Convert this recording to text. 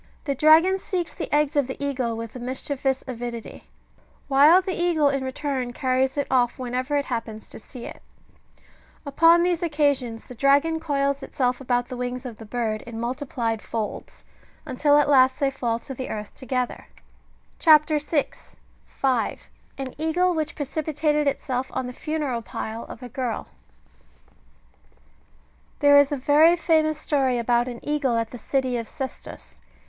The dragon seeks the eggs of the eagle with a mischievous avidity ; while the eagle, in return, carries it off whenever it happens to see it ; upon these occasions, the dragon coils itself about the wings of the bird in multiplied folds, until at last they fall to the earth together. CHAP. 6. (5.) — AN EAGLE WHICH PRECIPITATED ITSELF ON THE FUNERAL PILE OF A GIRL. There is a very famous story about an eagle at the city of Sestos.